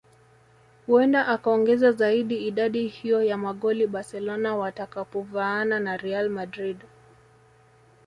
Huenda akaongeza zaidi idadi hiyo ya magoli Barcelona watakapovaana na Real Madrid